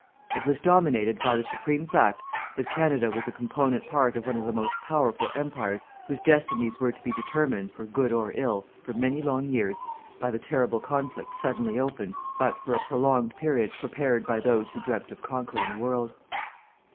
It was dominated by the supreme fact that Canada was a component part of one of the most powerful Empires whose destinies were to be determined, for good or ill, for many long years, by the terrible conflict suddenly opened, but, for a prolonged period, prepared by those who dreamt of conquering the world."